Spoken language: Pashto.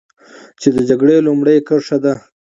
چې د جګړې لومړۍ کرښه ده.